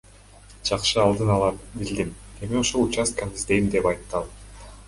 Жакшы алдын ала билдим, эми ошол участканы издейм, — деп айтты ал.